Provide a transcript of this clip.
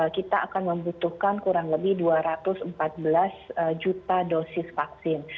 kita akan membutuhkan kurang lebih dua ratus empat belas juta dosis vaksin